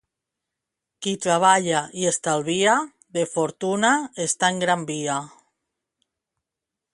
Qui treballa i estalvia, de fortuna està en gran via.